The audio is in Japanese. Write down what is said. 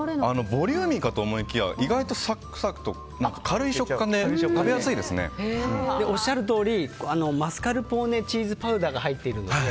ボリューミーかと思いきや意外とサクサク、軽い食感でおっしゃるとおりマスカルポーネチーズパウダーが入っているので。